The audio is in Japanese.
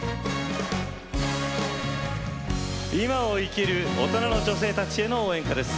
今を生きる大人の女性たちへの応援歌です。